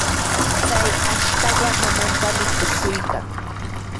Chay ashkallaqa mamantami trutruykan.